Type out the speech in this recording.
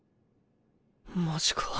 マジか。